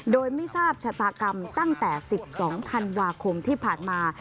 โดยไม่ทราบชะตากรรมตั้งแต่๑๒ธันวาคมที่ผ่านมา